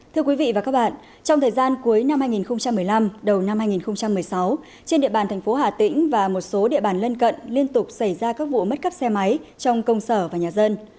thưa quý vị và các bạn trong thời gian cuối năm hai nghìn một mươi năm đầu năm hai nghìn một mươi sáu trên địa bàn thành phố hà tĩnh và một số địa bàn lân cận liên tục xảy ra các vụ mất cắp xe máy trong công sở và nhà dân